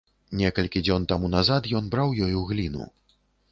Некалькі дзён таму назад ён браў ёю гліну.